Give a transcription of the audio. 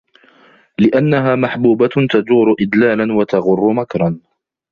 لِأَنَّهَا مَحْبُوبَةٌ تَجُورُ إدْلَالًا وَتَغُرُّ مَكْرًا